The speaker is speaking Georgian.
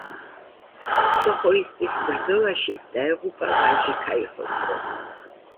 სოხოისტის ბრძოლაში დაეღუპა ვაჟი ქაიხოსრო.